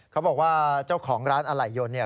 เขาบอกว่าเจ้าของร้านอะไหล่ยนต์เนี่ย